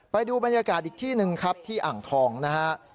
ไปดูบรรยากาศอีกที่หนึ่งครับที่อ่างทองนะฮะ